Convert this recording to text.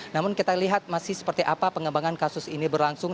namun kita lihat masih seperti apa pengembangan kasus ini berlangsung